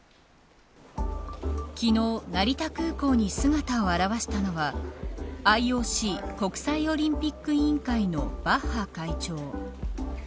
昨日、成田空港に姿を現したのはＩＯＣ国際オリンピック委員会のバッハ会長。